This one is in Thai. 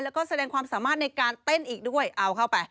แล้วก็แสดงความสามารถในการเต้นอีกด้วยเอาเข้าไป